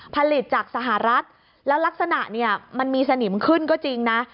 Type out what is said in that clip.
ผลิตจากสหรัฐแล้วลักษณะเนี่ยมันมีสนิมขึ้นก็จริงนะ